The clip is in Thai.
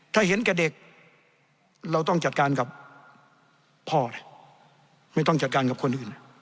ถ้าเห็นแก่เด็กเราต้องจัดการกับพ่อไม่ต้องจัดการกับคนอื่น